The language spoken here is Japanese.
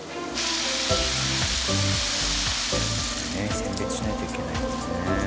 選別しないといけないですもんね。